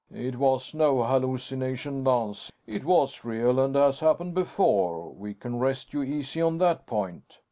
"It was no hallucination, Lance. It was real and has happened before. We can rest you easy on that point."